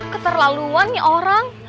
keterlaluan nih orang